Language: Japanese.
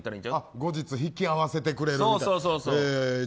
後日引き合わせてくれるみたいな。